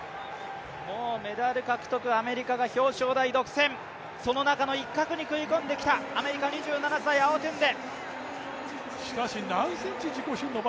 もうメダル獲得、アメリカが表彰台独占、その中の一角に食い込んで、アメリカ２７歳、アウォトゥンデ。